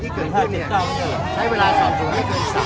แล้วคิดยนต์กว่าเขาโดนก่าวอาหารตรงกล้องหรือป่าว